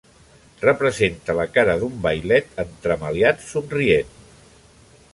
Representa la cara d'un vailet entremaliat somrient.